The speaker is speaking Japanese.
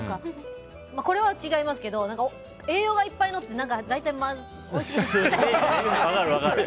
これは違いますけど栄養がいっぱいのって分かる分かる。